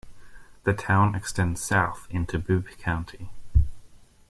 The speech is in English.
The town extends south into Bibb County.